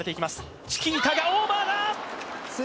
チキータがオーバーだ！